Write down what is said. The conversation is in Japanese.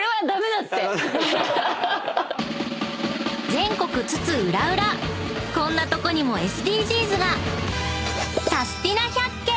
［全国津々浦々こんなとこにもＳＤＧｓが！］